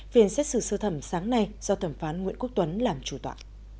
phiên xét xử sơ thẩm sáng nay do thẩm phán nguyễn quốc tuấn làm chủ tọa